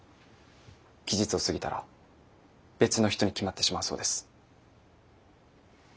期日を過ぎたら別の人に決まってしまうそうです。